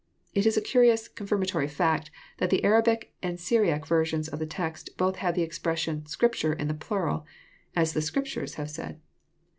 It is a curious, confirmatory fact, that the Arabic and Syriac versions of the text both have the expression " Scripture" in the plural, " As the Scriptures have said."